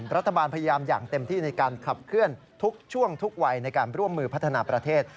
รัฐบาลพยายามอย่างเต็มที่ในการขับเคลื่อนทุกช่วงทุกวัยในการร่วมมือพัฒนาประเทศ